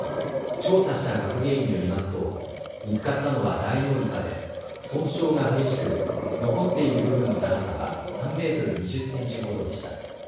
調査した学芸員によりますと見つかったのはダイオウイカで損傷が激しく残っている部分の長さは３メートル２０センチほどでした。